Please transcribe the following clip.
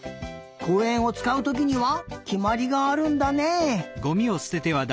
こうえんをつかうときにはきまりがあるんだね。